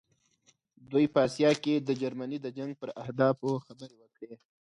دوی په آسیا کې د جرمني د جنګ پر اهدافو خبرې وکړې.